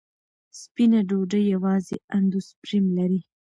سپینه ډوډۍ یوازې اندوسپرم لري.